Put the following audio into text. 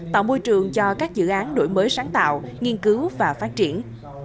tạo môi trường cho các dự án đổi mới sáng tạo nghiên cứu và phát triển